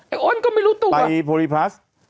ไอ้โอ้นก็ไม่รู้ตัวไปโพรีพรัส